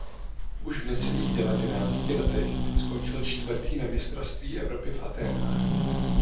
Už v necelých devatenácti letech skončil čtvrtý na mistrovství Evropy v Athénách.